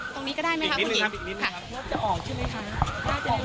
ตรงนี้ก็ได้ไหมครับคุณอีก